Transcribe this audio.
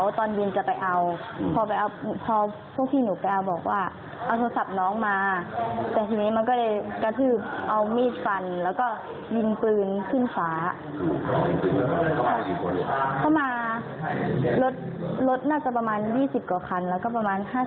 รถน่าจะประมาณ๒๐กว่าคันแล้วก็ประมาณ๕๐คนล่ะค่ะ